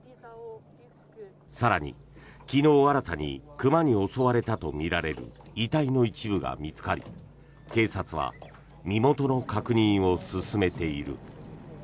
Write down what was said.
更に、昨日新たに熊に襲われたとみられる遺体の一部が見つかり警察は身元の確認を進めている。